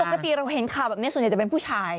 ปกติเราเห็นข่าวแบบนี้ส่วนใหญ่จะเป็นผู้ชาย